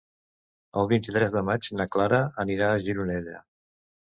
El vint-i-tres de maig na Clara anirà a Gironella.